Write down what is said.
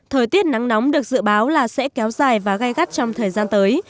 thời tiết nắng nóng được dự báo là sẽ kéo dài và gai gắt trong thời gian tới